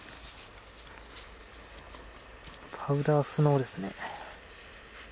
パウダースノーですね。